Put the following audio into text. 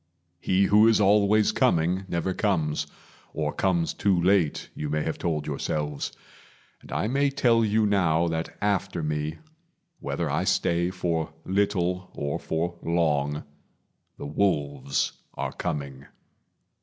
He who is always coming never comes, Or comes too late, you may have told yourselves; And I may tell you now that after me, Whether I stay for little or for long, The wolves are coming.